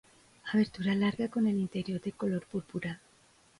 Abertura larga con el interior de color púrpura.